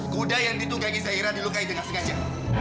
kuda yang ditunggangi saira dilukai dengan sengaja